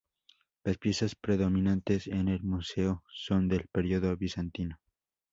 Las piezas predominantes en el museo son del periodo bizantino.